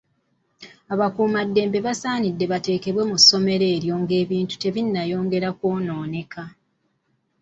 Abakuumaddembe kisaanidde bateekebwe mu ssomero eryo ng'ebintu tebinnayongera kw'onooneka.